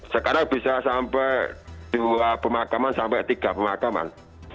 sekarang bisa sampai dua pemakaman sampai tiga pemakaman